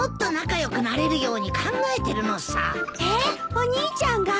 お兄ちゃんが？